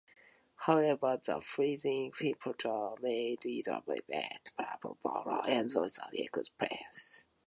However, the freezing temperatures made it a bit difficult to fully enjoy the experience.